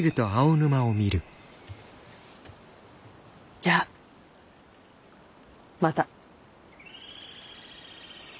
じゃあまた！